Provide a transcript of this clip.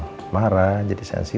pastikan kapang marah jadi sensitif